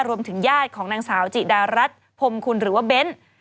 รวมถึงญาติของนางสาวจิดารัฐพรมคุณหรือว่าเบ้น